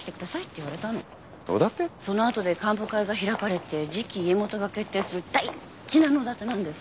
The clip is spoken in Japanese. その後で幹部会が開かれて次期家元が決定する大事な野だてなんですって。